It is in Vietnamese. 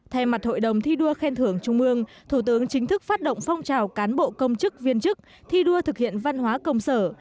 thay mặt hội đồng thi đua khen thưởng trung ương thủ tướng chính thức phát động phong trào cán bộ công chức viên chức thi đua thực hiện văn hóa công sở